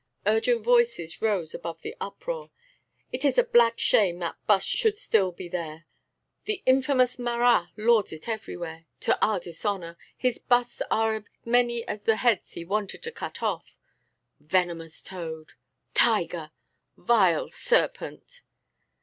Urgent voices rose above the uproar: "It is a black shame that bust should still be there!" "The infamous Marat lords it everywhere, to our dishonour! His busts are as many as the heads he wanted to cut off." "Venomous toad!" "Tiger!" "Vile serpent!"